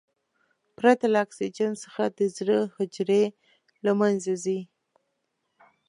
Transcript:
پرته له اکسیجن څخه د زړه حجرې له منځه ځي.